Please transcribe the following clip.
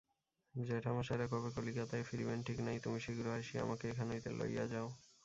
জেঠামশায়রা কবে কলিকাতায় ফিরিবেন, ঠিক নাই–তুমি শীঘ্র আসিয়া আমাকে এখান হইতে লইয়া যাও।